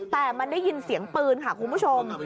แต่มันได้ยินเสียงปืนค่ะคุณผู้ชม